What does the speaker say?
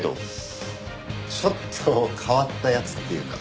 ちょっと変わった奴っていうか。